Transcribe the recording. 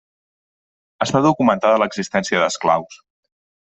Està documentada l'existència d'esclaus.